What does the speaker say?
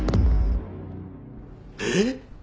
えっ！？